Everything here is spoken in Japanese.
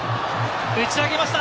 打ち上げました！